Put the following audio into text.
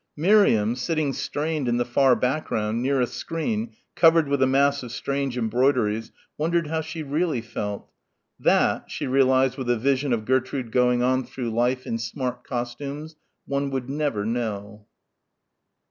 Miriam, sitting strained in the far background near a screen covered with a mass of strange embroideries, wondered how she really felt. That, she realised with a vision of Gertrude going on through life in smart costumes, one would never know.